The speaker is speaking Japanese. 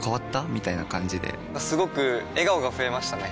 みたいな感じですごく笑顔が増えましたね！